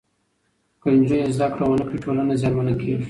که نجونې زدهکړه ونکړي، ټولنه زیانمنه کېږي.